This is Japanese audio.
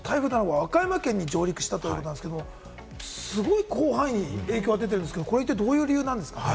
台風７号が和歌山県に上陸したということなんですけれども、すごい広範囲に影響が出ているんですけれども、どういう理由なんですか？